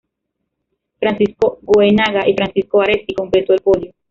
Francisco Goenaga y Francisco Aresti completó el podio.